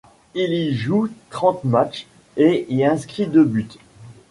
Il y joue trente matchs et y inscrit deux buts.